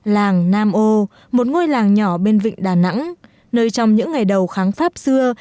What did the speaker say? làng nam ô một ngôi làng nhỏ bên vịnh đà nẵng nơi trong những ngày đầu kháng pháp xưa